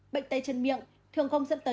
bệnh tay chân miệng thường không dẫn tới